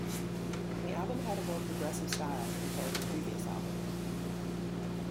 The album had a more progressive style compared to previous albums.